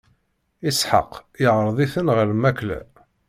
Isḥaq iɛreḍ-iten ɣer lmakla.